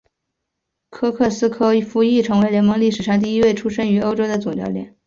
科克斯柯夫亦成为联盟历史上第一位出生于欧洲的总教练。